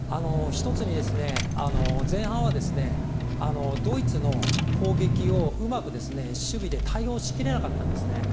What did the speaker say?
１つに前半はドイツの攻撃をうまく守備で対応しきれなかったんですね。